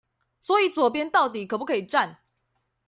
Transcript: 所以左邊到底可不可以站